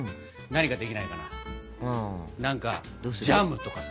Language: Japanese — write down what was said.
何かジャムとかさ。